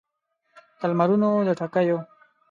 د لمرونو د ټکېو